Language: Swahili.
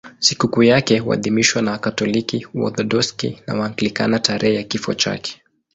Sikukuu yake huadhimishwa na Wakatoliki, Waorthodoksi na Waanglikana tarehe ya kifo chake.